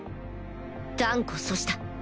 断固阻止だ